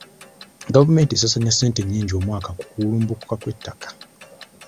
Gavumenti esaasaanya ssente nnyingi omwaka ku kuwumbulukuka kw'ettaka.